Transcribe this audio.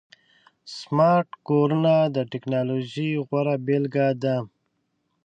سمارټ کورونه د ټکنالوژۍ غوره بيلګه ده.